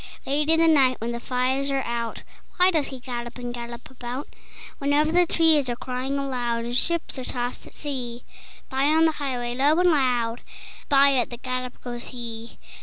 Late in the night when the fires are out, Why does he gallop and gallop about? Whenever the trees are crying aloud, And ships are tossed at sea, By, on the highway, low and loud, By at the gallop goes he.